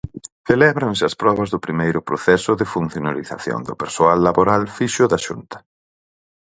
Celébranse as probas do primeiro proceso de funcionarización do persoal laboral fixo da Xunta.